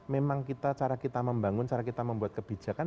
memang cara kita membangun cara kita membuat kebijakan